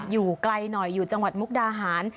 อยู่ไกลหน่อยอยู่จังหวัดมุกดาหาร